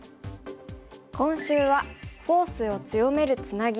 今週は「フォースを強めるツナギ」。